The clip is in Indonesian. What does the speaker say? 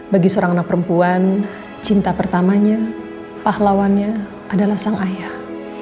bagi seorang anak perempuan cinta pertamanya pahlawannya adalah sang ayah